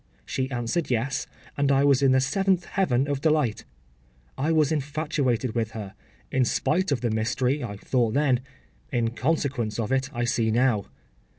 She answered yes, and I was in the seventh heaven of delight. I was infatuated with her: in spite of the mystery, I thought then—in consequence of it, I see now.